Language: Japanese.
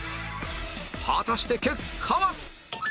果たして結果は？